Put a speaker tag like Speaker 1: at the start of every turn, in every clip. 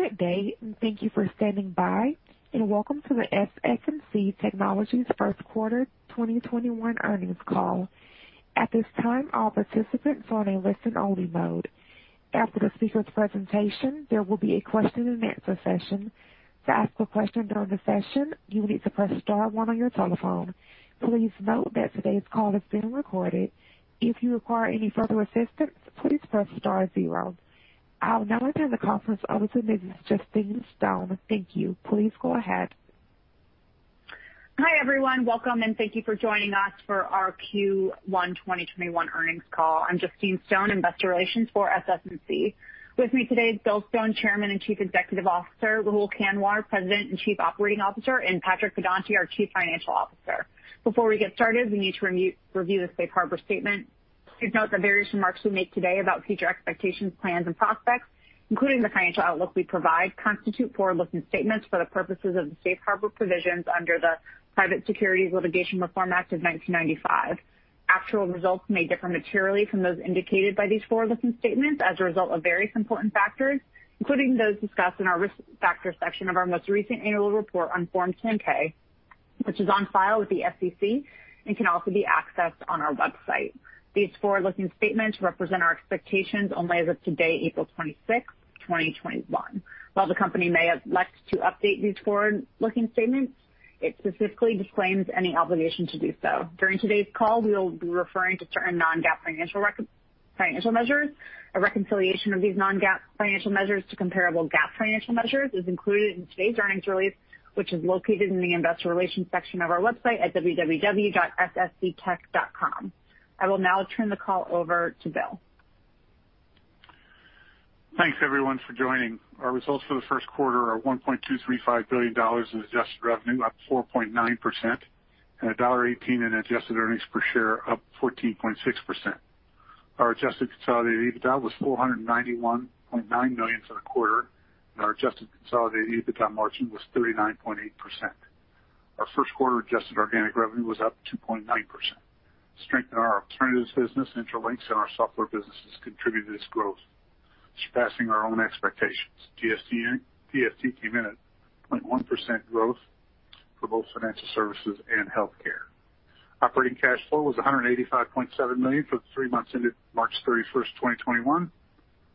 Speaker 1: Good day. Thank you for standing by, and welcome to the SS&C Technologies first quarter 2021 earnings call. At this time, all participants are in a listen-only mode. After the speakers' presentation, there will be a question-and-answer session. To ask a question during the session, you will need to press star one on your telephone. Please note that today's call is being recorded. If you require any further assistance, please press star zero. I'll now turn the conference over to Mrs. Justine Stone. Thank you. Please go ahead.
Speaker 2: Hi everyone? Welcome, and thank you for joining us for our Q1 2021 earnings call. I'm Justine Stone, Investor Relations for SS&C. With me today is Bill Stone, Chairman and Chief Executive Officer, Rahul Kanwar, President and Chief Operating Officer, and Patrick Pedonti, our Chief Financial Officer. Before we get started, we need to review the safe harbor statement. Please note that various remarks we make today about future expectations, plans, and prospects, including the financial outlook we provide, constitute forward-looking statements for the purposes of the safe harbor provisions under the Private Securities Litigation Reform Act of 1995. Actual results may differ materially from those indicated by these forward-looking statements as a result of various important factors, including those discussed in our risk factor section of our most recent annual report on Form 10-K, which is on file with the SEC and can also be accessed on our website. These forward-looking statements represent our expectations only as of today, April 26, 2021. While the company may elect to update these forward-looking statements, it specifically disclaims any obligation to do so. During today's call, we will be referring to certain non-GAAP financial measures. A reconciliation of these non-GAAP financial measures to comparable GAAP financial measures is included in today's earnings release, which is located in the investor relations section of our website at www.ssctech.com. I will now turn the call over to Bill.
Speaker 3: Thanks everyone for joining. Our results for the first quarter are $1.235 billion in adjusted revenue, up 4.9%, and $1.18 in adjusted earnings per share, up 14.6%. Our adjusted consolidated EBITDA was $491.9 million for the quarter, and our adjusted consolidated EBITDA margin was 39.8%. Our first quarter adjusted organic revenue was up 2.9%, strengthening our alternatives business, Intralinks, and our software businesses contributed to this growth, surpassing our own expectations. DST came in at 0.1% growth for both financial services and healthcare. Operating cash flow was $185.7 million for the three months ended March 31, 2021,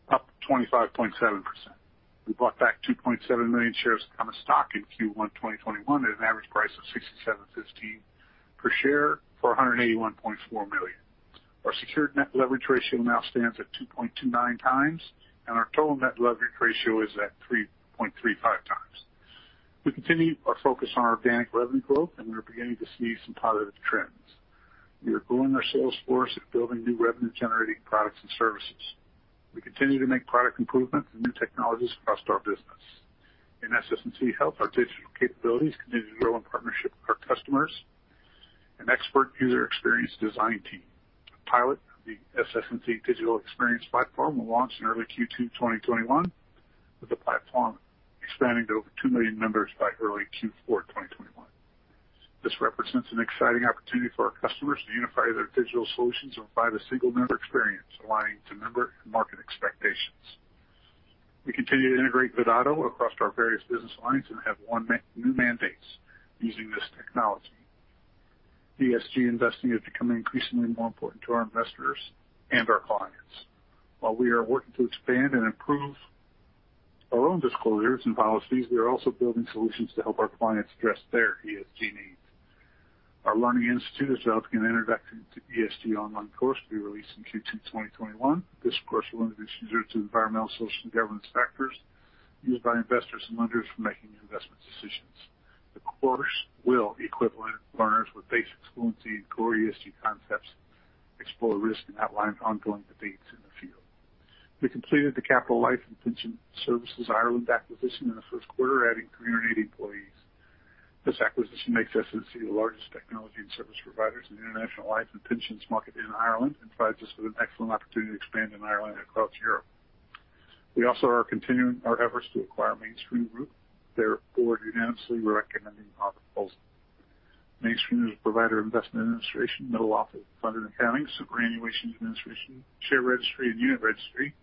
Speaker 3: up 25.7%. We bought back 2.7 million shares of common stock in Q1 2021 at an average price of $67.15 per share for $181.4 million. Our secured net leverage ratio now stands at 2.29x, and our total net leverage ratio is at 3.35x. We continue our focus on our organic revenue growth, and we are beginning to see some positive trends. We are growing our sales force and building new revenue-generating products and services. We continue to make product improvements and new technologies across our business. In SS&C Health, our digital capabilities continue to grow in partnership with our customers and expert user experience design team. A pilot of the SS&C Digital Experience Platform will launch in early Q2 2021, with the platform expanding to over 2 million members by early Q4 2021. This represents an exciting opportunity for our customers to unify their digital solutions and provide a single member experience aligned to member and market expectations. We continue to integrate Vidado across our various business lines and have won new mandates using this technology. ESG investing is becoming increasingly more important to our investors and our clients. While we are working to expand and improve our own disclosures and policies, we are also building solutions to help our clients address their ESG needs. Our learning institute is developing an introductory ESG online course to be released in Q2 2021. This course will introduce users to environmental, social, and governance factors used by investors and lenders for making investment decisions. The course will equip learners with basic fluency in core ESG concepts, explore risks, and outline ongoing debates in the field. We completed the Capita Life and Pensions Services Ireland acquisition in the first quarter, adding 380 employees. This acquisition makes SS&C the largest technology and service providers in the international life and pensions market in Ireland and provides us with an excellent opportunity to expand in Ireland and across Europe. We also are continuing our efforts to acquire Mainstream Group. Their Board unanimously recommending our proposal. Mainstream Group is a provider of investment administration, middle office, fund and accounting, superannuation administration, share registry, and unit registry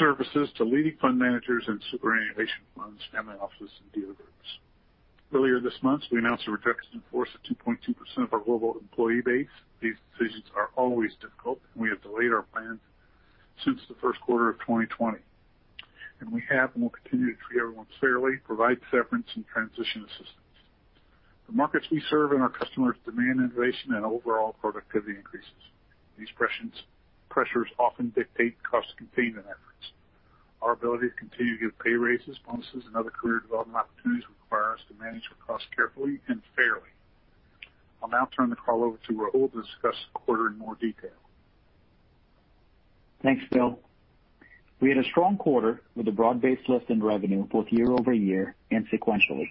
Speaker 3: services to leading fund managers and superannuation funds, family offices, and dealer groups. Earlier this month, we announced a reduction in force of 2.2% of our global employee base. These decisions are always difficult. We have delayed our plans since the first quarter of 2020, and we have and will continue to treat everyone fairly, provide severance and transition assistance. The markets we serve and our customers demand innovation and overall productivity increases. These pressures often dictate cost containment efforts. Our ability to continue to give pay raises, bonuses, and other career development opportunities require us to manage the costs carefully and fairly. I'll now turn the call over to Rahul Kanwar to discuss the quarter in more detail.
Speaker 4: Thanks, Bill. We had a strong quarter with a broad-based lift in revenue, both year-over-year and sequentially.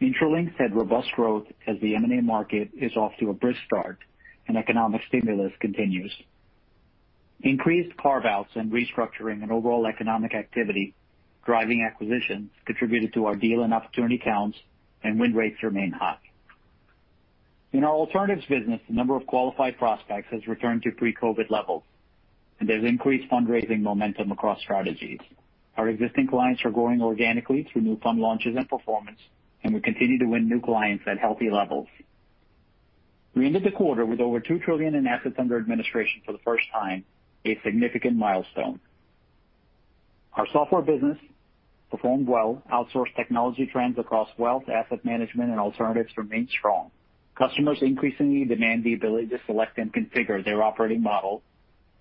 Speaker 4: Intralinks had robust growth as the M&A market is off to a brisk start and economic stimulus continues. Increased carve-outs and restructuring and overall economic activity driving acquisitions contributed to our deal and opportunity counts, and win rates remain high. In our alternatives business, the number of qualified prospects has returned to pre-COVID levels, and there's increased fundraising momentum across strategies. Our existing clients are growing organically through new fund launches and performance, and we continue to win new clients at healthy levels. We ended the quarter with over $2 trillion in assets under administration for the first time, a significant milestone. Our software business performed well. Outsourced technology trends across wealth, asset management, and alternatives remained strong. Customers increasingly demand the ability to select and configure their operating model,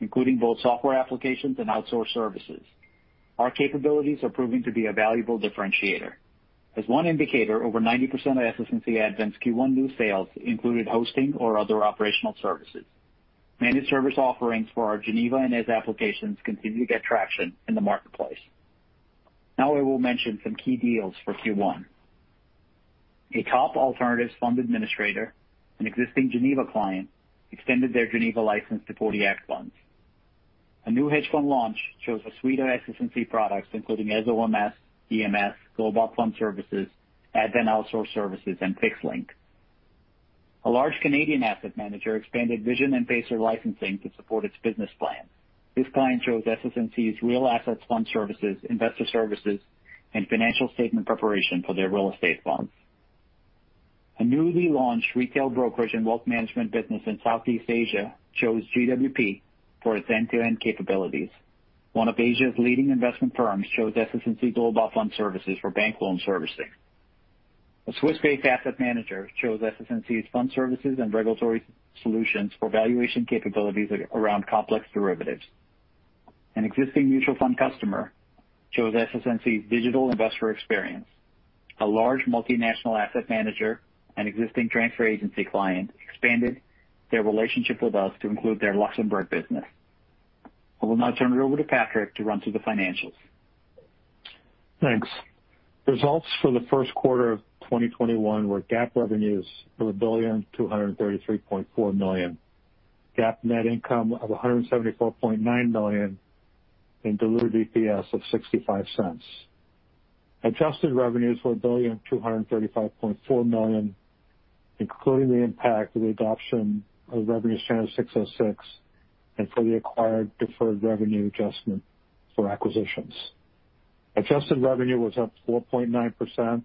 Speaker 4: including both software applications and outsourced services. Our capabilities are proving to be a valuable differentiator. As one indicator, over 90% of SS&C Advent's Q1 new sales included hosting or other operational services. Managed service offerings for our Geneva and Eze applications continue to get traction in the marketplace. Now I will mention some key deals for Q1. A top alternatives fund administrator, an existing Geneva client, extended their Geneva license to 40 Act Funds. A new hedge fund launch chose a suite of SS&C products including Eze OMS, EMS, Global Fund Services, Advent outsourced services, and FIXLink. A large Canadian asset manager expanded Vision and Pacer licensing to support its business plan. This client chose SS&C's Real Assets Fund Services, Investor Services, and financial statement preparation for their real estate funds. A newly launched retail brokerage and wealth management business in Southeast Asia chose GWP for its end-to-end capabilities. One of Asia's leading investment firms chose SS&C Global Fund Services for bank loan servicing. A Swiss-based asset manager chose SS&C's fund services and regulatory solutions for valuation capabilities around complex derivatives. An existing mutual fund customer chose SS&C's Digital Experience Platform. A large multinational asset manager and existing transfer agency client expanded their relationship with us to include their Luxembourg business. I will now turn it over to Patrick to run through the financials.
Speaker 5: Thanks. Results for the first quarter of 2021 were GAAP revenues of $1,233.4 million. GAAP net income of $174.9 million, and diluted EPS of $0.65. Adjusted revenues were $1,235.4 million, including the impact of the adoption of Revenue Standard 606 and for the acquired deferred revenue adjustment for acquisitions. Adjusted revenue was up 4.9%.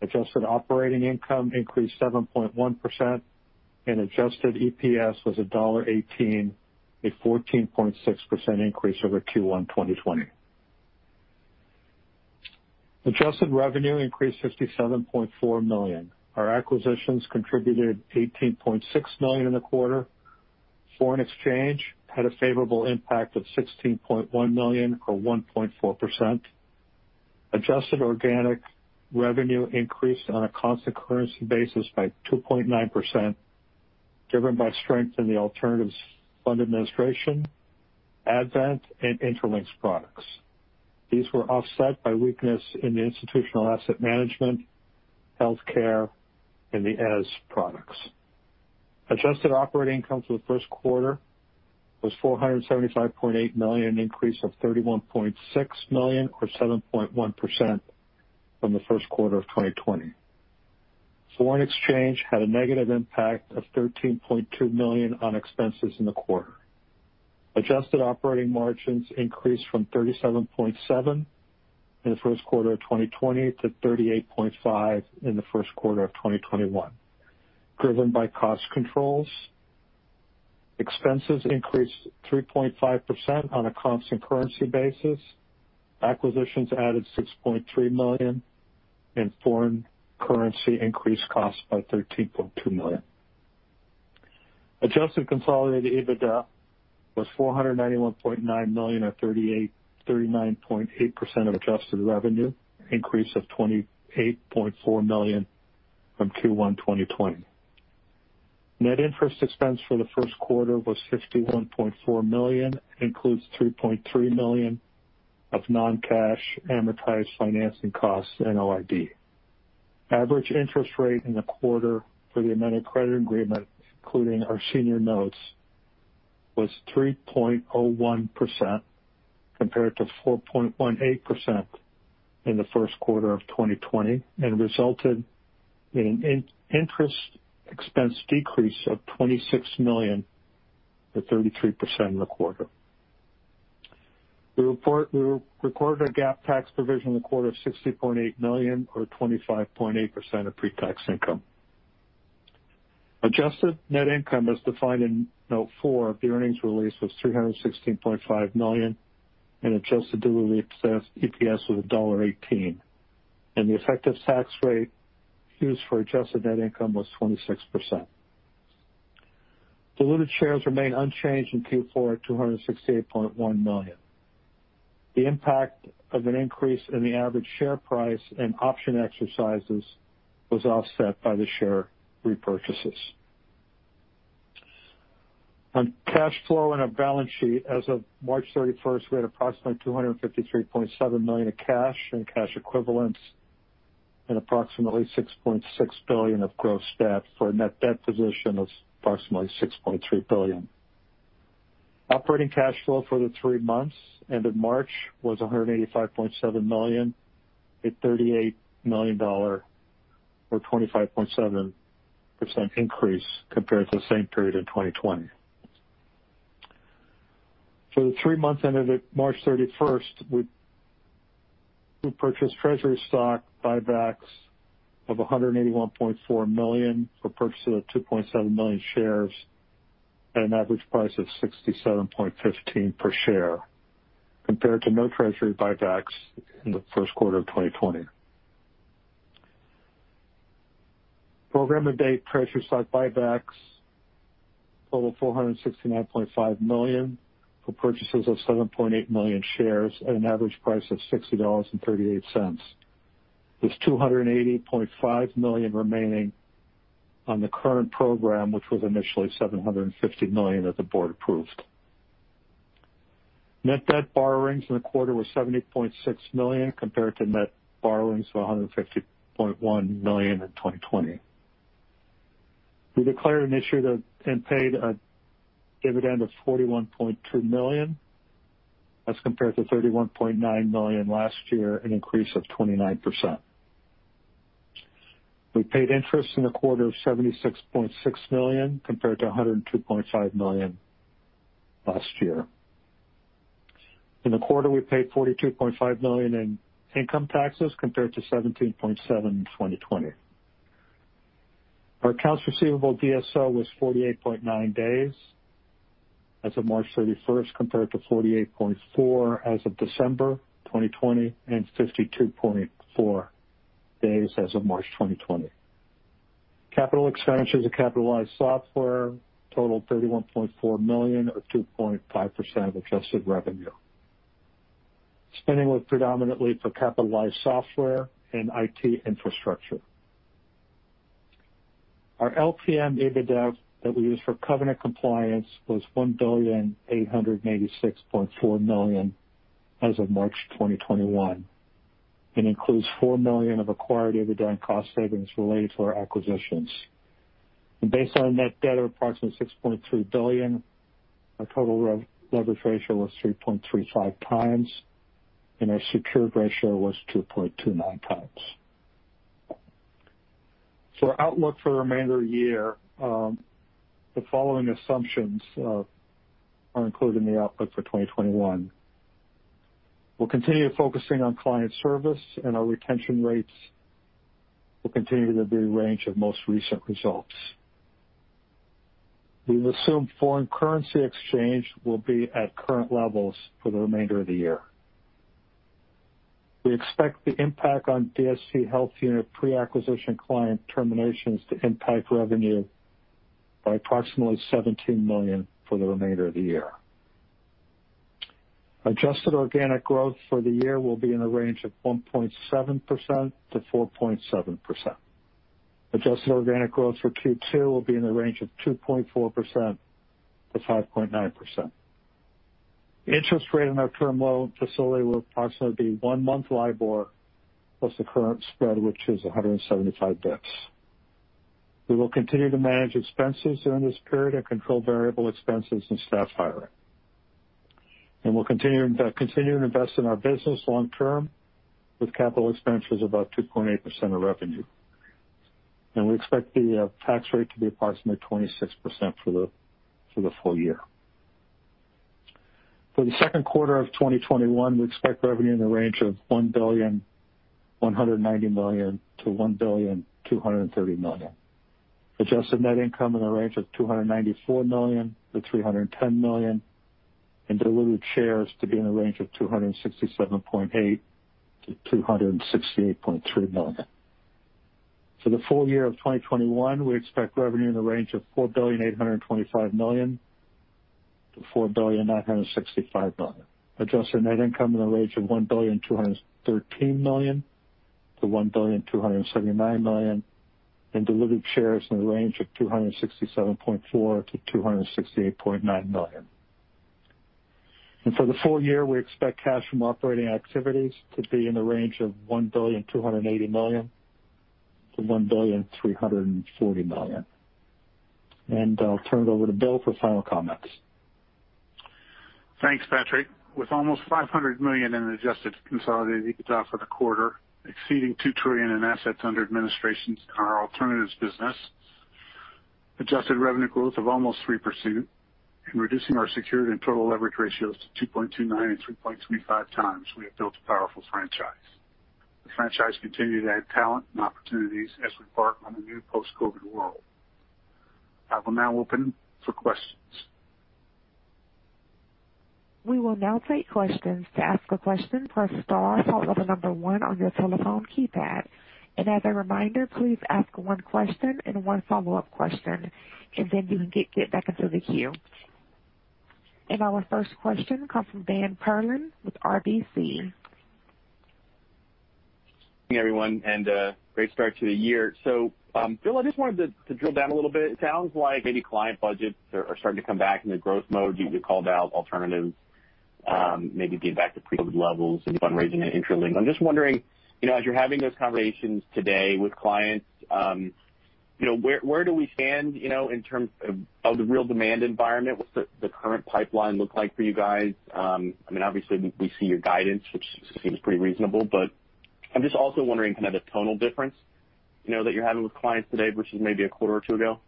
Speaker 5: Adjusted operating income increased 7.1%, and adjusted EPS was $1.18, a 14.6% increase over Q1 2020. Adjusted revenue increased $67.4 million. Our acquisitions contributed $18.6 million in the quarter. Foreign exchange had a favorable impact of $16.1 million, or 1.4%. Adjusted organic revenue increased on a constant currency basis by 2.9%, driven by strength in the alternatives fund administration, Advent, and Intralinks products. These were offset by weakness in the institutional asset management, healthcare, and the Eze products. Adjusted operating income for the first quarter was $475.8 million, an increase of $31.6 million, or 7.1% from the first quarter of 2020. Foreign exchange had a negative impact of $13.2 million on expenses in the quarter. Adjusted operating margins increased from 37.7% in the first quarter of 2020 to 38.5% in the first quarter of 2021, driven by cost controls. Expenses increased 3.5% on a constant currency basis. Acquisitions added $6.3 million, and foreign currency increased costs by $13.2 million. Adjusted consolidated EBITDA was $491.9 million, or 39.8% of adjusted revenue, increase of $28.4 million from Q1 2020. Net interest expense for the first quarter was $61.4 million, includes $3.3 million] of non-cash amortized financing costs and OID. Average interest rate in the quarter for the amended credit agreement, including our senior notes, was 3.01%, compared to 4.18% in the first quarter of 2020, and resulted in an interest expense decrease of $26 million, or 33% in the quarter. We recorded a GAAP tax provision in the quarter of $60.8 million, or 25.8% of pre-tax income. Adjusted net income as defined in Note four of the earnings release was $316.5 million, and adjusted diluted EPS was $1.18. The effective tax rate used for adjusted net income was 26%. Diluted shares remain unchanged in Q4 at 268.1 million. The impact of an increase in the average share price and option exercises was offset by the share repurchases. On cash flow and our balance sheet, as of March 31, we had approximately $253.7 million of cash and cash equivalents and approximately $6.6 billion of gross debt for a net debt position of approximately $6.3 billion. Operating cash flow for the three months ended March was $185.7 million, a $38 million or 25.7% increase compared to the same period in 2020. For the three months ended at March 31, we purchased treasury stock buybacks of $181.4 million for purchase of 2.7 million shares at an average price of $67.15 per share, compared to no treasury buybacks in the first quarter of 2020. Program-to-date treasury stock buybacks total $469.5 million for purchases of 7.8 million shares at an average price of $60.38. There's $280.5 million remaining on the current program, which was initially $750 million that the board approved. Net debt borrowings in the quarter were $70.6 million compared to net borrowings of $150.1 million in 2020. We declared and issued and paid a dividend of $41.2 million as compared to $31.9 million last year, an increase of 29%. We paid interest in the quarter of $76.6 million compared to $102.5 million last year. In the quarter, we paid $42.5 million in income taxes compared to $17.7 in 2020. Our accounts receivable DSO was 48.9 days as of March 31, compared to 48.4 days as of December 2020, and 52.4 days as of March 2020. Capital expenditures of capitalized software totaled $31.4 million, or 2.5% of adjusted revenue. Spending was predominantly for capitalized software and IT infrastructure. Our LTM EBITDA that we use for covenant compliance was $1,886.4 million as of March 2021, and includes $4 million of acquired EBITDA and cost savings related to our acquisitions. Based on net debt of approximately $6.3 billion, our total leverage ratio was 3.35x, and our secured ratio was 2.29x. Our outlook for the remainder of the year. The following assumptions are included in the outlook for 2021. We'll continue focusing on client service, and our retention rates will continue to be range of most recent results. We've assumed foreign currency exchange will be at current levels for the remainder of the year. We expect the impact on DST Health unit pre-acquisition client terminations to impact revenue by approximately $17 million for the remainder of the year. Adjusted organic growth for the year will be in the range of 1.7%-4.7%. Adjusted organic growth for Q2 will be in the range of 2.4%-5.9%. The interest rate on our term loan facility will approximately be one-month LIBOR plus the current spread, which is 175 basis points. We will continue to manage expenses during this period and control variable expenses and staff hiring. We'll continue to invest in our business long term with capital expenses about 2.8% of revenue. We expect the tax rate to be approximately 26% for the full year. For the second quarter of 2021, we expect revenue in the range of $1,190 million-$1,230 million. Adjusted net income in the range of $294 million-$310 million, and diluted shares to be in the range of 267.8 million-268.3 million. For the full year of 2021, we expect revenue in the range of $4,825 million-$4,965 million. Adjusted net income in the range of $1,213 million-$1,279 million, and diluted shares in the range of 267.4 million-268.9 million. For the full year, we expect cash from operating activities to be in the range of $1,280 million-$1,340 million. I'll turn it over to Bill for final comments.
Speaker 3: Thanks, Patrick. With almost $500 million in adjusted consolidated EBITDA for the quarter exceeding $2 trillion in assets under administration in our alternatives business, adjusted revenue growth of almost 3%, and reducing our secured and total leverage ratios to 2.29x and 3.35x, we have built a powerful franchise. The franchise continue to add talent and opportunities as we embark on a new post-COVID world. I will now open for questions.
Speaker 1: We will now take questions. To ask a question, press star followed by the number one on your telephone keypad. As a reminder, please ask one question and one follow-up question, then you can get back into the queue. Our first question comes from Dan Perlin with RBC.
Speaker 6: Hey everyone, and great start to the year. Bill, I just wanted to drill down a little bit. It sounds like maybe client budgets are starting to come back into growth mode. You called out alternatives Maybe get back to pre-COVID levels in fundraising and Intralinks. I'm just wondering, as you're having those conversations today with clients, where do we stand in terms of the real demand environment? What's the current pipeline look like for you guys? Obviously, we see your guidance, which seems pretty reasonable, but I'm just also wondering the tonal difference that you're having with clients today versus maybe a quarter or two ago.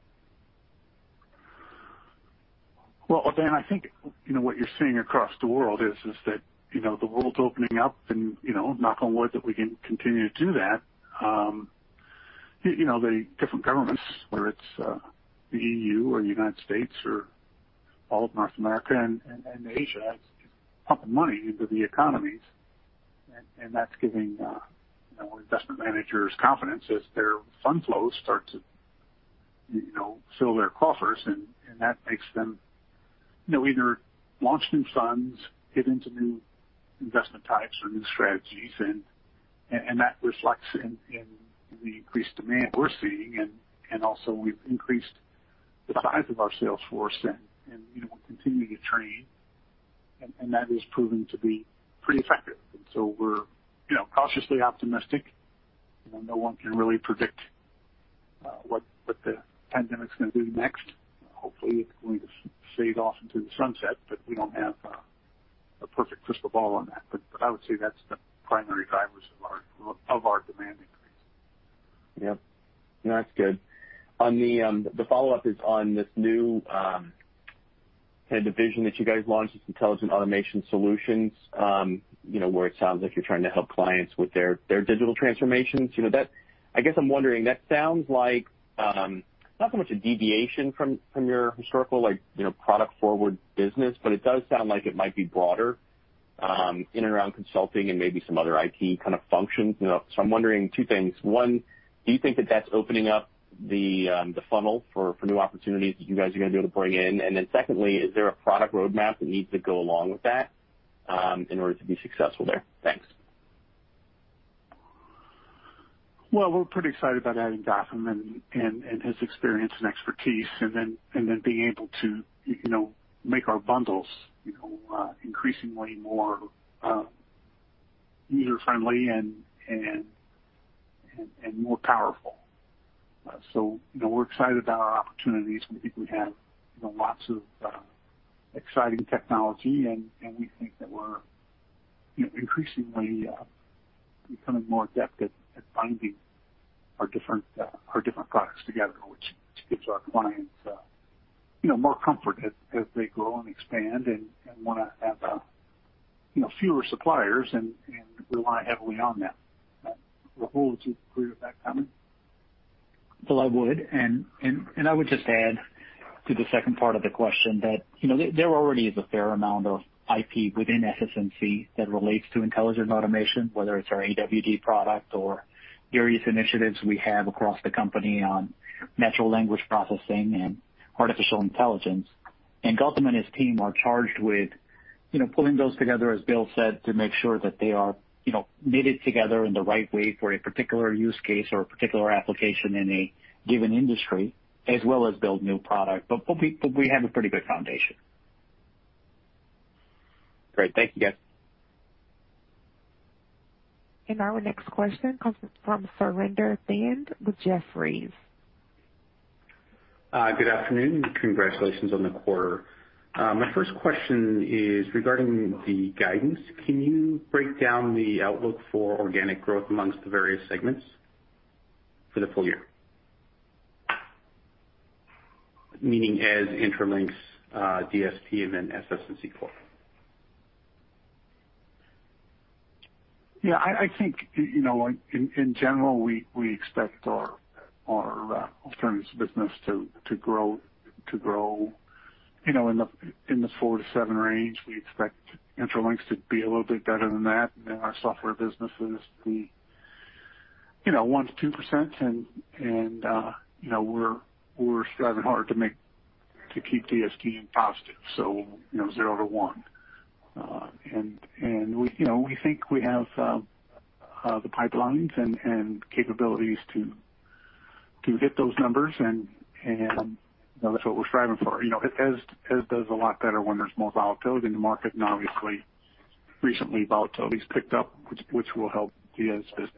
Speaker 3: Well, Dan, I think what you're seeing across the world is that the world's opening up, and knock on wood that we can continue to do that. The different governments, whether it's the EU or United States or all of North America and Asia, are pumping money into the economies, and that's giving our investment managers confidence as their fund flows start to fill their coffers, and that makes them either launch new funds, get into new investment types or new strategies, and that reflects in the increased demand we're seeing, and also we've increased the size of our sales force, and we're continuing to train, and that is proving to be pretty effective. So we're cautiously optimistic. No one can really predict what the pandemic is going to do next. Hopefully, it's going to fade off into the sunset, we don't have a perfect crystal ball on that. I would say that's the primary drivers of our demand increase.
Speaker 6: Yep. No, that's good. The follow-up is on this new division that you guys launched, this Intelligent Automation Solutions, where it sounds like you're trying to help clients with their digital transformations. I guess I'm wondering, that sounds like not so much a deviation from your historical product-forward business, but it does sound like it might be broader in and around consulting and maybe some other IT kind of functions. I'm wondering two things. One, do you think that that's opening up the funnel for new opportunities that you guys are going to be able to bring in? And then secondly, is there a product roadmap that needs to go along with that in order to be successful there? Thanks.
Speaker 3: Well, we're pretty excited about adding Gautam and his experience and expertise, and then being able to make our bundles increasingly more user-friendly and more powerful. We're excited about our opportunities, and we think we have lots of exciting technology, and we think that we're increasingly becoming more adept at binding our different products together, which gives our clients more comfort as they grow and expand and want to have fewer suppliers and rely heavily on them. Rahul, would you agree with that comment?
Speaker 4: I would. I would just add to the second part of the question that there already is a fair amount of IP within SS&C that relates to intelligent automation, whether it's our AWD product or various initiatives we have across the company on natural language processing and artificial intelligence. Gautam and his team are charged with pulling those together, as Bill said, to make sure that they are knitted together in the right way for a particular use case or a particular application in a given industry, as well as build new product. We have a pretty good foundation.
Speaker 6: Great. Thank you, guys.
Speaker 1: Our next question comes from Surinder Thind with Jefferies.
Speaker 7: Good afternoon? Congratulations on the quarter. My first question is regarding the guidance. Can you break down the outlook for organic growth amongst the various segments for the full year? Meaning as Intralinks, DST, and then SS&C core.
Speaker 3: Yeah, I think, in general, we expect our alternatives business to grow in the 4%-7% range. We expect Intralinks to be a little bit better than that, and our software business is the 1%-2%. We're striving hard to keep DST in positive, so 0%-1%. We think we have the pipelines and capabilities to hit those numbers, and that's what we're striving for. Eze does a lot better when there's more volatility in the market, and obviously, recently volatility's picked up, which will help the Eze business.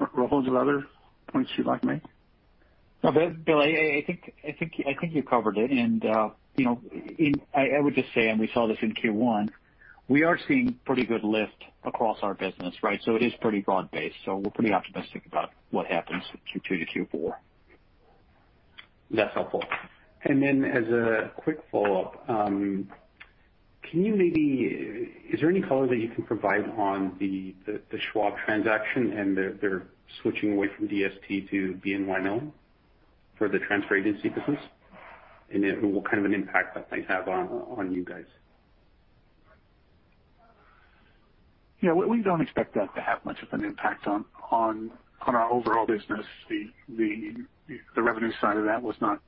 Speaker 3: Rahul, are there other points you'd like to make?
Speaker 4: No, Bill, I think you covered it. I would just say, and we saw this in Q1, we are seeing pretty good lift across our business. It is pretty broad-based. We're pretty optimistic about what happens with Q2 to Q4.
Speaker 7: That's helpful. As a quick follow-up, is there any color that you can provide on the Schwab transaction and their switching away from DST to BNY Mellon for the transfer agency business? What kind of an impact that might have on you guys?
Speaker 3: Yeah. We don't expect that to have much of an impact on our overall business. The revenue side of that was not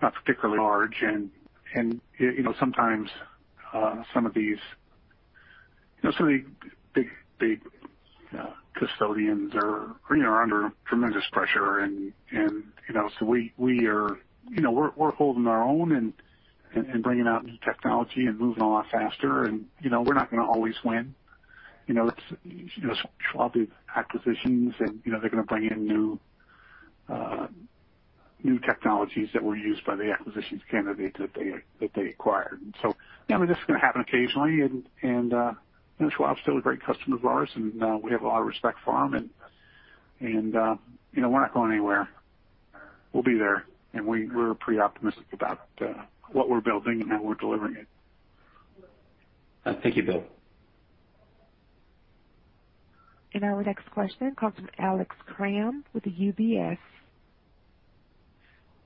Speaker 3: particularly large. Sometimes the big custodians are under tremendous pressure, and so we're holding our own and bringing out new technology and moving a lot faster and we're not going to always win. Schwab did acquisitions and they're going to bring in new technologies that were used by the acquisitions candidate that they acquired. This is going to happen occasionally, and Schwab's still a great customer of ours, and we have a lot of respect for them, and we're not going anywhere. We'll be there, and we're pretty optimistic about what we're building and how we're delivering it.
Speaker 7: Thank you, Bill.
Speaker 1: Our next question comes from Alex Kramm with UBS.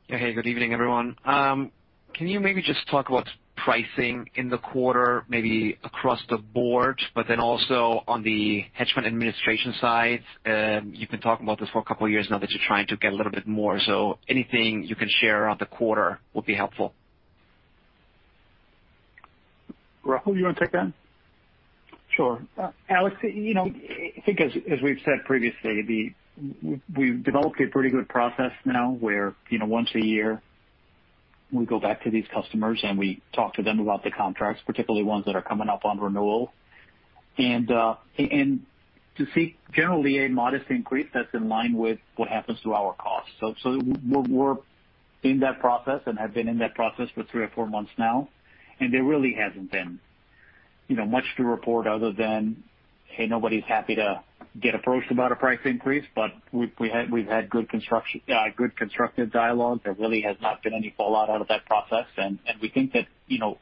Speaker 8: Yeah. Hey, good evening everyone? Can you maybe just talk about pricing in the quarter, maybe across the board, also on the hedge fund administration side? You've been talking about this for a couple of years now that you're trying to get a little bit more. Anything you can share on the quarter would be helpful.
Speaker 3: Rahul, you want to take that?
Speaker 4: Sure. Alex, I think as we've said previously, we've developed a pretty good process now where once a year we go back to these customers, and we talk to them about the contracts, particularly ones that are coming up on renewal. To see generally a modest increase that's in line with what happens to our costs. We're in that process and have been in that process for three or four months now, and there really hasn't been much to report other than, hey, nobody's happy to get approached about a price increase, but we've had good constructive dialogue. There really has not been any fallout out of that process. We think that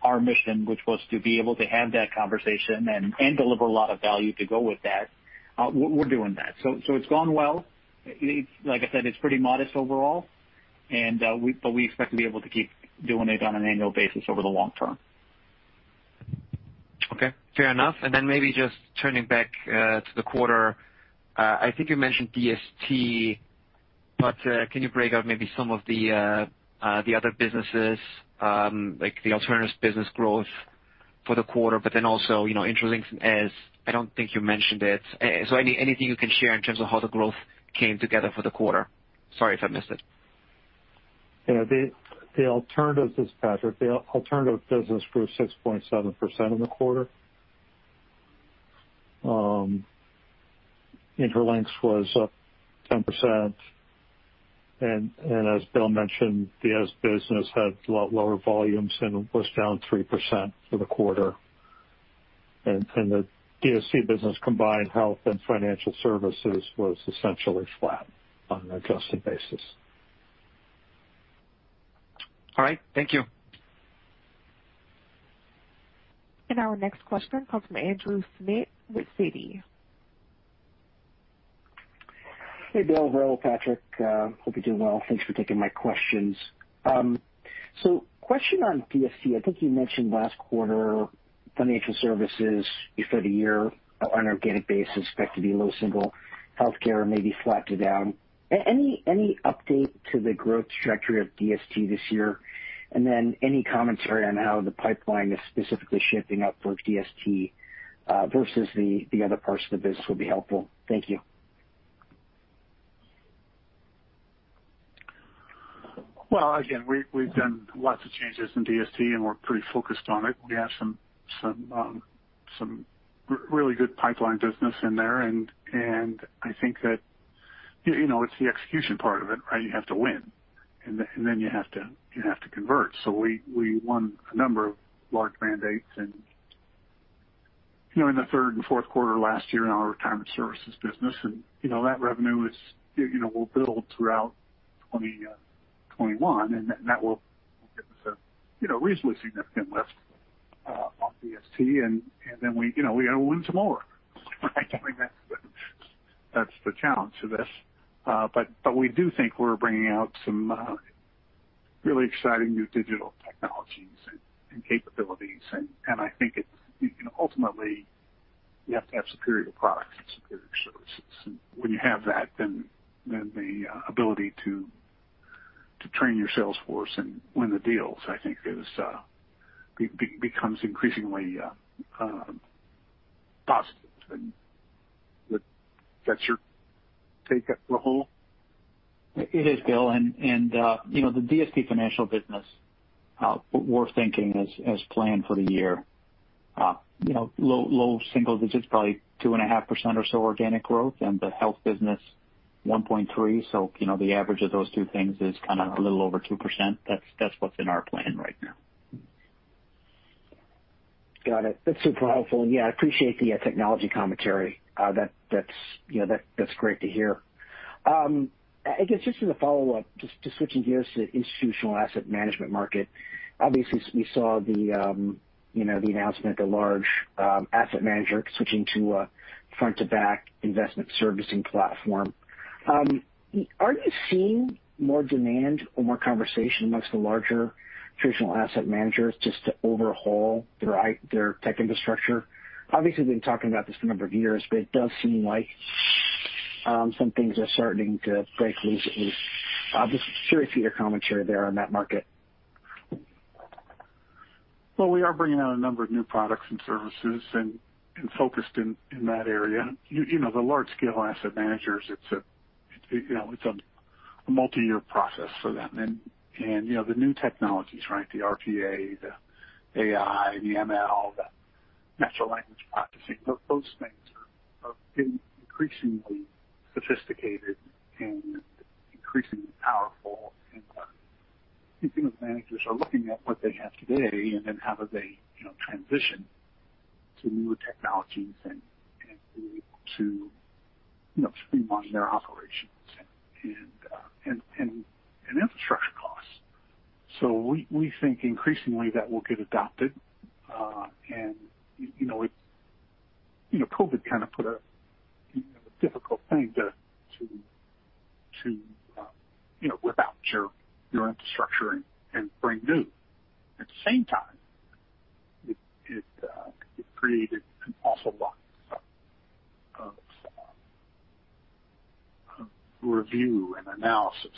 Speaker 4: our mission, which was to be able to have that conversation and deliver a lot of value to go with that, we're doing that. It's gone well. Like I said, it's pretty modest overall, but we expect to be able to keep doing it on an annual basis over the long term.
Speaker 8: Okay, fair enough. Maybe just turning back to the quarter. I think you mentioned DST, can you break out maybe some of the other businesses, like the alternatives business growth for the quarter, then also Intralinks, AS. I don't think you mentioned it. Anything you can share in terms of how the growth came together for the quarter. Sorry if I missed it.
Speaker 5: This is Patrick. The alternative business grew 6.7% in the quarter. Intralinks was up 10%, as Bill mentioned, the AS business had a lot lower volumes and was down 3% for the quarter. The DST business combined health and financial services was essentially flat on an adjusted basis.
Speaker 8: All right. Thank you.
Speaker 1: Our next question comes from Andrew Schmidt with Citi.
Speaker 9: Hey, Bill. Rahul, Patrick? Hope you're doing well. Thanks for taking my questions. Question on DST. I think you mentioned last quarter financial services for the year on organic basis expect to be low single. Healthcare may be flat to down. Any update to the growth trajectory of DST this year? Any commentary on how the pipeline is specifically shaping up for DST versus the other parts of the business would be helpful. Thank you.
Speaker 3: Well, again, we've done lots of changes in DST, and we're pretty focused on it. We have some really good pipeline business in there, and I think that it's the execution part of it, right? You have to win, and then you have to convert. We won a number of large mandates in the third and fourth quarter last year in our retirement services business, and that revenue will build throughout 2021, and that will give us a reasonably significant lift off DST. We got to win some more, right? That's the challenge to this. We do think we're bringing out some really exciting new digital technologies and capabilities. I think ultimately, you have to have superior products and superior services. When you have that, then the ability to train your sales force and win the deals, I think, becomes increasingly positive. That's your take, Rahul?
Speaker 4: It is, Bill. The DST financial business, we're thinking as planned for the year low single digits, probably 2.5% or so organic growth, and the health business 1.3%. The average of those two things is kind of a little over 2%. That's what's in our plan right now.
Speaker 9: Got it. That's super helpful. Yeah, I appreciate the technology commentary. That's great to hear. I guess just as a follow-up, just switching gears to institutional asset management market. Obviously, we saw the announcement, the large asset manager switching to a front to back investment servicing platform. Are you seeing more demand or more conversation amongst the larger traditional asset managers just to overhaul their tech infrastructure? Obviously, we've been talking about this for a number of years, but it does seem like some things are starting to break loose. I'm just curious for your commentary there on that market.
Speaker 3: Well, we are bringing out a number of new products and services and focused in that area. The large-scale asset managers, it's a multi-year process for them. The new technologies, right? The RPA, the AI, the ML, the natural language processing, those things are getting increasingly sophisticated and increasingly powerful. I think the managers are looking at what they have today, and then how do they transition to newer technologies and be able to streamline their operations and infrastructure costs. We think increasingly that will get adopted. COVID kind of put a difficult thing to withdraw your infrastructure and bring new. At the same time, it created an awful lot of review and analysis.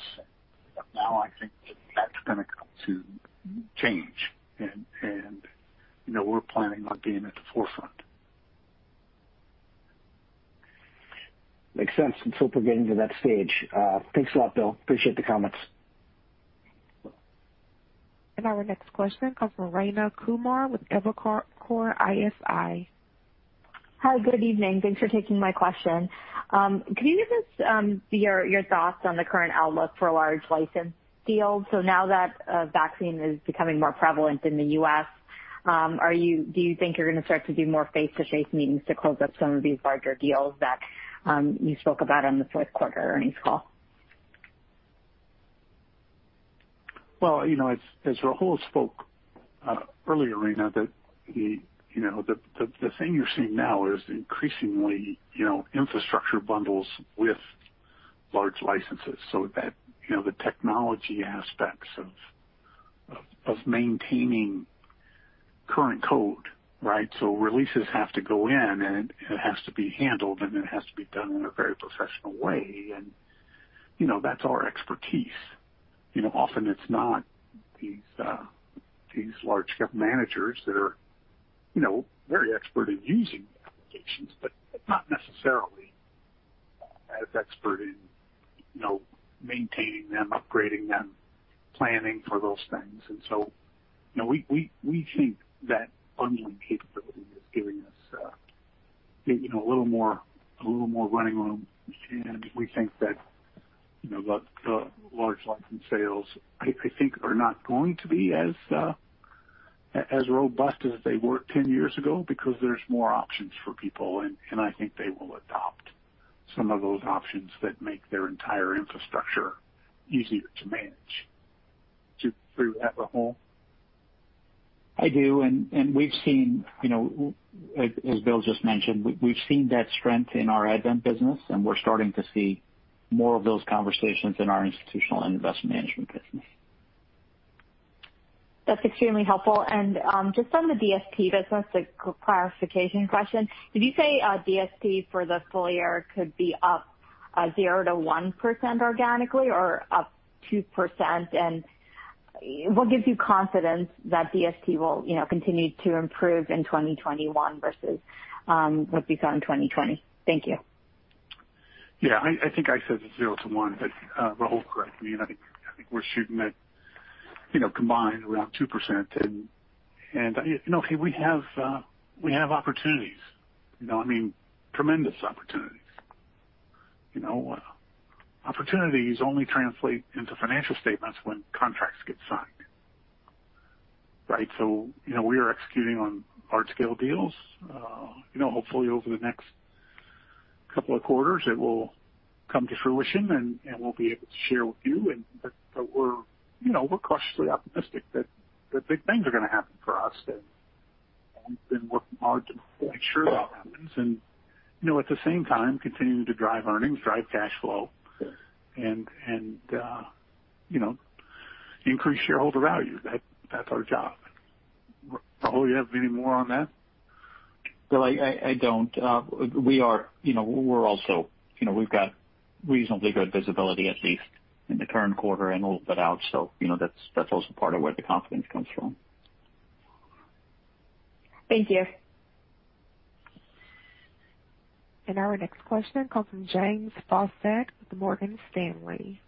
Speaker 3: Now, I think that's going to come to change, and we're planning on being at the forefront.
Speaker 9: Makes sense. Let's hope we're getting to that stage. Thanks a lot, Bill. Appreciate the comments.
Speaker 1: Our next question comes from Rayna Kumar with Evercore ISI.
Speaker 10: Hi, good evening? Thanks for taking my question. Can you give us your thoughts on the current outlook for large license deals? Now that vaccine is becoming more prevalent in the U.S., do you think you're going to start to do more face-to-face meetings to close up some of these larger deals that you spoke about on the fourth quarter earnings call?
Speaker 3: As Rahul spoke earlier, Rayna, the thing you're seeing now is increasingly infrastructure bundles with large licenses. The technology aspects of maintaining current code, right? Releases have to go in, and it has to be handled, and it has to be done in a very professional way. That's our expertise. Often it's not these large cap managers that are very expert in using the applications, but not necessarily as expert in maintaining them, upgrading them, planning for those things. We think that bundling capability is giving us a little more running room, and we think that the large license sales, I think are not going to be as robust as they were 10 years ago because there's more options for people, and I think they will adopt some of those options that make their entire infrastructure easier to manage. Do you agree with that, Rahul?
Speaker 4: I do, and we've seen, as Bill just mentioned, we've seen that strength in our Advent business, and we're starting to see more of those conversations in our institutional and investment management business.
Speaker 10: That's extremely helpful. Just on the DST business, a clarification question. Did you say DST for the full year could be up 0%-1% organically or up 2%? What gives you confidence that DST will continue to improve in 2021 versus what we saw in 2020? Thank you.
Speaker 3: Yeah, I think I said 0%-1%, but Rahul, correct me. I think we're shooting at combined around 2%. We have opportunities. I mean, tremendous opportunities. Opportunities only translate into financial statements when contracts get signed, right? We are executing on large-scale deals. Hopefully over the next couple of quarters, it will come to fruition, and we'll be able to share with you, but we're cautiously optimistic that big things are going to happen for us, and we've been working hard to make sure that happens. At the same time, continuing to drive earnings, drive cash flow, and increase shareholder value. That's our job. Rahul, you have anything more on that?
Speaker 4: Bill, I don't. We've got reasonably good visibility, at least in the current quarter and a little bit out. That's also part of where the confidence comes from.
Speaker 10: Thank you.
Speaker 1: Our next question comes from James Faucette with Morgan Stanley.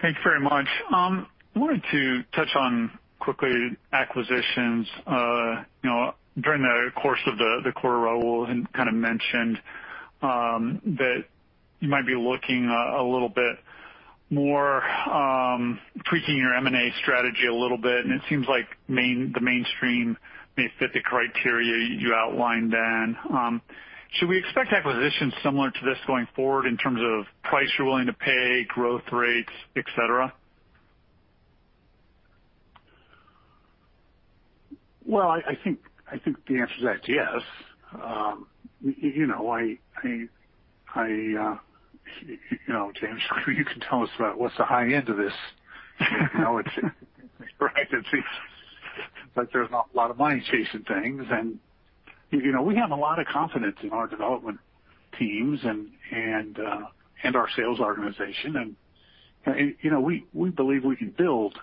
Speaker 11: Thank you very much. I wanted to touch on, quickly, acquisitions. During the course of the quarter, Rahul kind of mentioned that you might be looking a little bit more, tweaking your M&A strategy a little bit. It seems like the Mainstream may fit the criteria you outlined then. Should we expect acquisitions similar to this going forward in terms of price you're willing to pay, growth rates, et cetera?
Speaker 3: Well, I think the answer to that is yes. James, you can tell us about what's the high end of this. Right? There's not a lot of money chasing things, and we have a lot of confidence in our development teams and our sales organization. We believe we can build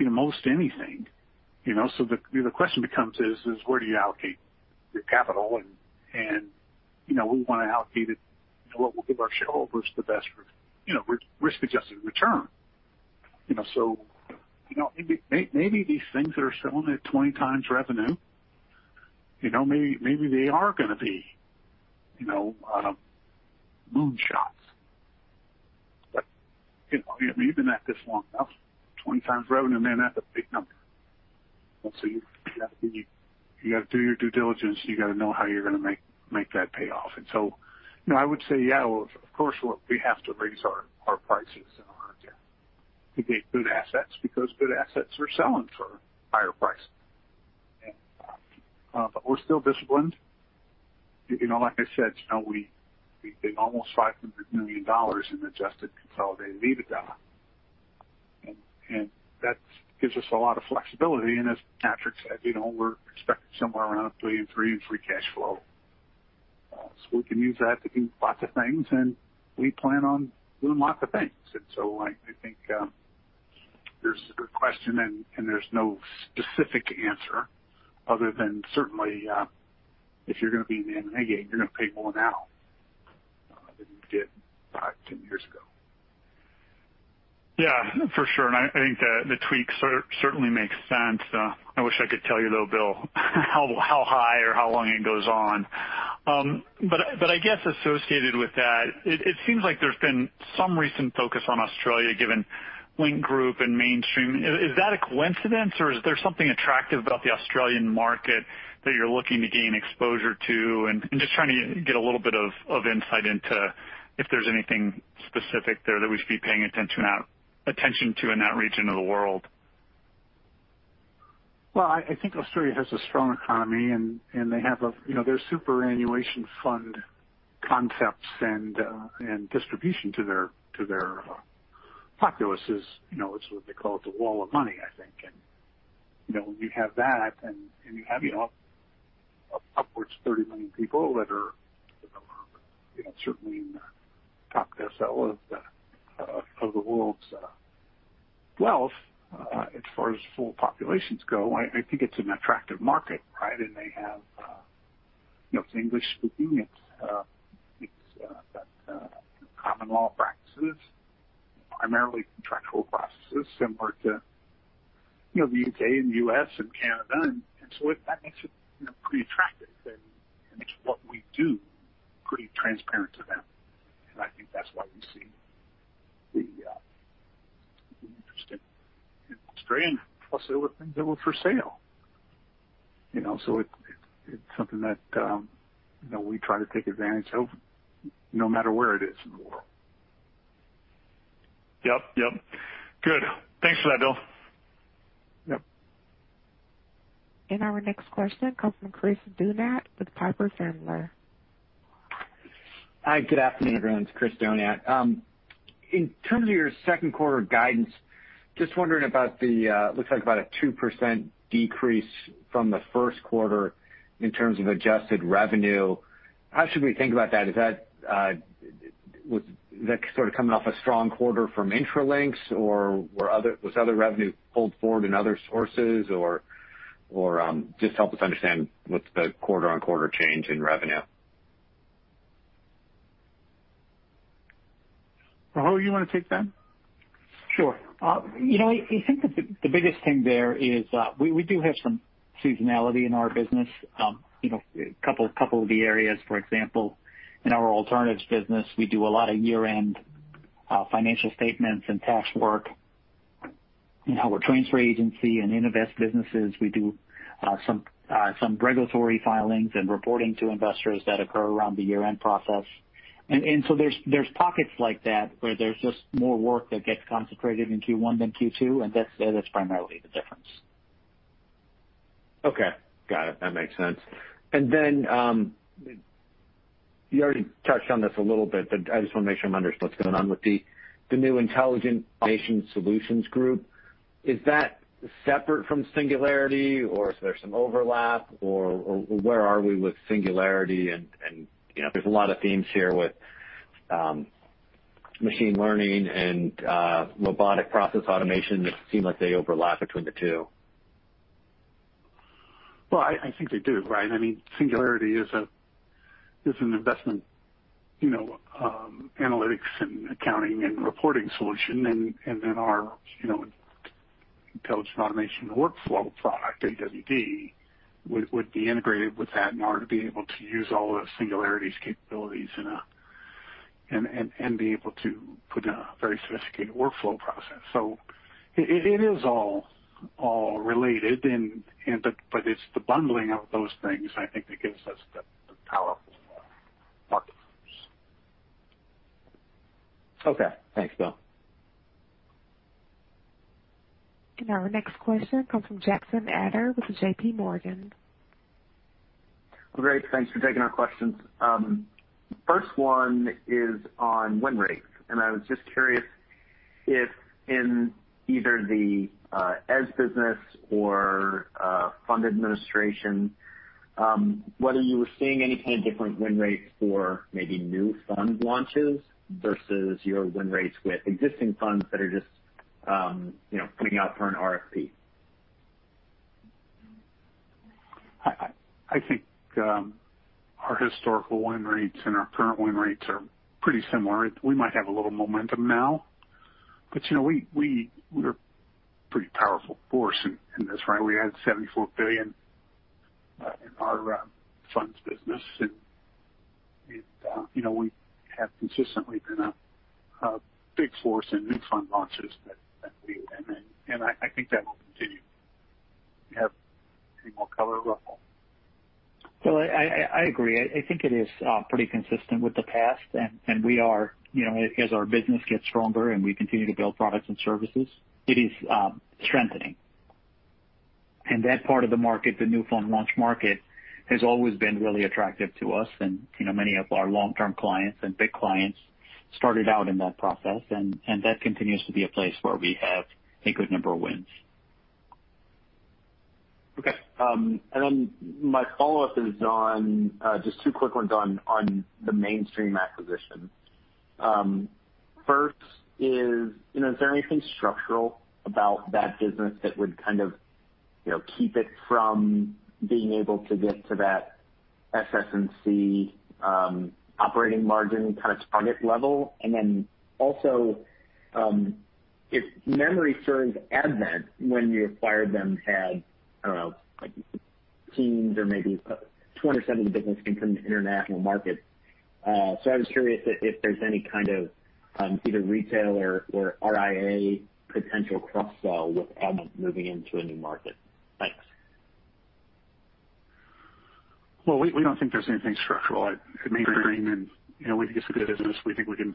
Speaker 3: most anything. The question becomes, where do you allocate your capital? We want to allocate it what will give our shareholders the best risk-adjusted return. Maybe these things that are selling at 20x revenue, maybe they are going to be moonshots. We've been at this long enough, 20x revenue, man, that's a big number. You've got to do your due diligence, you got to know how you're going to make that pay off. I would say, yeah, of course, we have to raise our prices in order to get good assets, because good assets are selling for a higher price. We're still disciplined. Like I said, we made almost $500 million in adjusted consolidated EBITDA, and that gives us a lot of flexibility. As Patrick said, we're expecting somewhere around a [inaudible] free cash flow. We can use that to do lots of things, and we plan on doing lots of things. I think there's a good question, and there's no specific answer other than certainly, if you're going to be in the M&A game, you're going to pay more now than you did 5 years, 10 years ago.
Speaker 11: Yeah, for sure. I think the tweaks certainly make sense. I wish I could tell you, though, Bill, how high or how long it goes on. I guess associated with that, it seems like there's been some recent focus on Australia given Link Group and Mainstream. Is that a coincidence or is there something attractive about the Australian market that you're looking to gain exposure to? Just trying to get a little bit of insight into if there's anything specific there that we should be paying attention to in that region of the world.
Speaker 3: Well, I think Australia has a strong economy, and their superannuation fund concepts and distribution to their populace is what they call the wall of money, I think. When you have that and you have upwards 30 million people that are certainly in the top decile of the world's wealth, as far as full populations go, I think it's an attractive market, right? They have English-speaking and common law practices, primarily contractual processes similar to the U.K. and U.S. and Canada. That makes it pretty attractive and makes what we do pretty transparent to them. I think that's why we see the interest in Australia, plus there were things that were for sale. It's something that we try to take advantage of no matter where it is in the world.
Speaker 11: Yep. Good. Thanks for that, Bill.
Speaker 3: Yep.
Speaker 1: Our next question comes from Chris Donat with Piper Sandler.
Speaker 12: Hi, good afternoon, everyone. It's Christopher Donat. In terms of your second quarter guidance, just wondering about the, looks like about a 2% decrease from the first quarter in terms of adjusted revenue. How should we think about that? Is that sort of coming off a strong quarter from Intralinks? Was other revenue pulled forward in other sources? Just help us understand what's the quarter-on-quarter change in revenue.
Speaker 3: Rahul, you want to take that?
Speaker 4: Sure. I think that the biggest thing there is we do have some seasonality in our business. A couple of the areas, for example, in our alternatives business, we do a lot of year-end financial statements and tax work. In our transfer agency and invest businesses, we do some regulatory filings and reporting to investors that occur around the year-end process. There's pockets like that where there's just more work that gets concentrated in Q1 than Q2, and that's primarily the difference.
Speaker 12: Okay. Got it. That makes sense. You already touched on this a little bit, but I just want to make sure I'm understanding what's going on with the new Intelligent Automation Solutions group. Is that separate from Singularity or is there some overlap, or where are we with Singularity? There's a lot of themes here with machine learning and robotic process automation that seem like they overlap between the two.
Speaker 3: Well, I think they do, right? I mean, Singularity is an investment analytics and accounting and reporting solution. Our intelligent automation workflow product, AWD, would be integrated with that in order to be able to use all of Singularity's capabilities and be able to put in a very sophisticated workflow process. It is all related, but it's the bundling of those things, I think, that gives us the powerful market force.
Speaker 12: Okay. Thanks, Bill.
Speaker 1: Our next question comes from Jackson Ader with JPMorgan.
Speaker 13: Great. Thanks for taking our questions. First one is on win rates. I was just curious if in either the Eze business or fund administration, whether you were seeing any kind of different win rates for maybe new fund launches versus your win rates with existing funds that are just putting out for an RFP?
Speaker 3: I think our historical win rates and our current win rates are pretty similar. We might have a little momentum now, but we're a pretty powerful force in this, right? We had $74 billion in our funds business, and we have consistently been a big force in new fund launches that we win, and I think that will continue. You have any more color, Rahul?
Speaker 4: Well, I agree. I think it is pretty consistent with the past, and as our business gets stronger and we continue to build products and services, it is strengthening. That part of the market, the new fund launch market, has always been really attractive to us. Many of our long-term clients and big clients started out in that process, and that continues to be a place where we have a good number of wins.
Speaker 13: Okay. My follow-up is just two quick ones on the Mainstream acquisition. First is there anything structural about that business that would kind of keep it from being able to get to that SS&C operating margin kind of target level? If memory serves, Advent, when you acquired them, had, I don't know, like teens or maybe 20% of the business came from international markets. I was curious if there's any kind of either retail or RIA potential cross-sell with Advent moving into a new market. Thanks.
Speaker 3: We don't think there's anything structural at Mainstream, and we think it's a good business. We think we can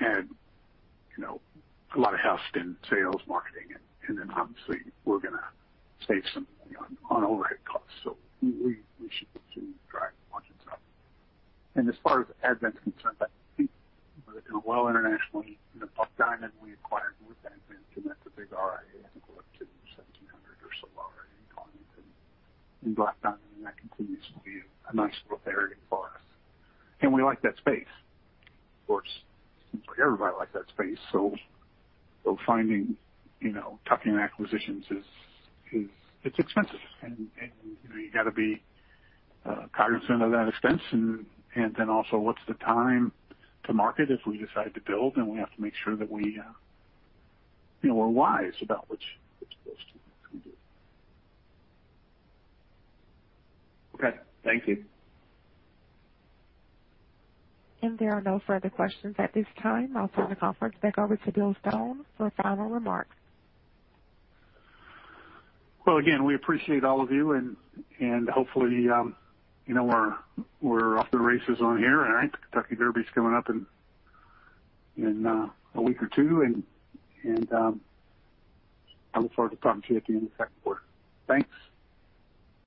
Speaker 3: add a lot of heft in sales, marketing, and then obviously, we're going to save some money on overhead costs. We should drive margins up. As far as Advent is concerned, I think they're well internationally. Black Diamond we acquired with Advent, and that's a big RIA. I think we're up to 1,700 or so RIA clients in Black Diamond, and that continues to be a nice little area for us. We like that space. Of course, everybody likes that space. Finding tuck-in acquisitions, it's expensive and you got to be cognizant of that expense and then also what's the time to market if we decide to build, and we have to make sure that we're wise about which deals to do.
Speaker 13: Okay. Thank you.
Speaker 1: There are no further questions at this time. I'll turn the conference back over to Bill Stone for final remarks.
Speaker 3: Well, again, we appreciate all of you and hopefully, we're off to the races on here. The Kentucky Derby's coming up in a week or two, and I look forward to talking to you at the end of the second quarter. Thanks.